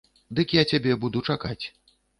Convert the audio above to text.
Дык я цябе буду чакаць.